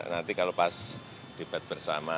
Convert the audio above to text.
nanti kalau pas debat bersama